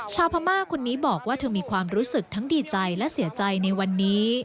ชาวพม่าคนนี้บอกว่าเธอมีความรู้สึกทั้งดีใจและเสียใจในวันนี้